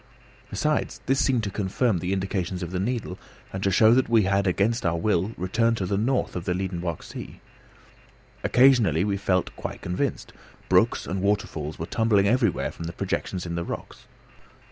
Besides, this seemed to confirm the indications of the needle, and to show that we had against our will returned to the north of the Liedenbrock sea. Occasionally we felt quite convinced. Brooks and waterfalls were tumbling everywhere from the projections in the rocks.